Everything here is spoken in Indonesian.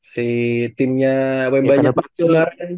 si timnya wm bacel